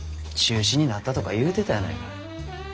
中止になったとか言うてたやないか。